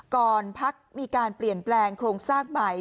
ก่อนพักมีการเปลี่ยนแปลงโครงสร้างใหม่